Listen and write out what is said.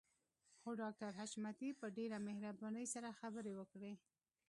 خو ډاکټر حشمتي په ډېره مهربانۍ سره خبرې وکړې.